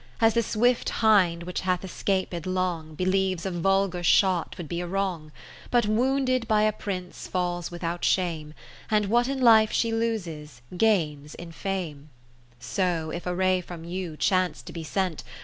As the swift hind which hath es caped long, Believes a vulgar shot would be a wrong ; But wounded by a Prince falls with out shame, And what in life she loses, gains in fame : So if a ray from you chance to be sent.